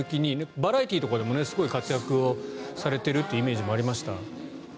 バラエティーとかでもすごい活躍をされているというイメージもありました。